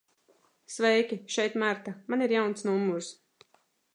Sveiki, šeit Marta. Man ir jauns numurs.